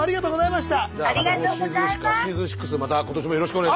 また。